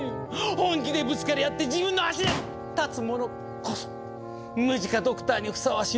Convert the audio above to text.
本気でぶつかり合って自分の足で立つ者こそムジカドクターにふさわしいのです。